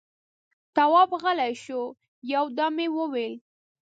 تواب غلی شو، يودم يې وويل: